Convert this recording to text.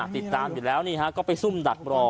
ติดตามอยู่แล้วก็นี่ฮะก็ไปซุ่มดักรอ